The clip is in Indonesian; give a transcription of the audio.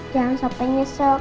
jangan sampai nyusuk